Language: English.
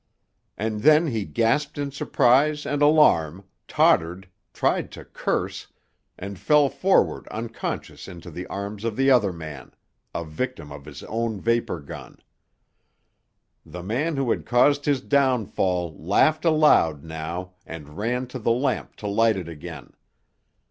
And then he gasped in surprise and alarm, tottered, tried to curse, and fell forward unconscious into the arms of the other man, a victim of his own vapor gun. The man who had caused his downfall laughed aloud now and ran to the lamp to light it again.